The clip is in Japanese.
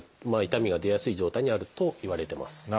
痛みが出やすい状態にあるといわれてます。